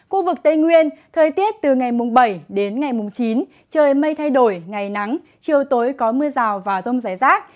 khu vực tây nguyên thời tiết từ ngày mùng bảy đến ngày mùng chín trời mây thay đổi ngày nắng chiều tối có mưa rào và rông rải rác